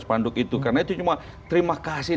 spanduk itu karena itu cuma terima kasih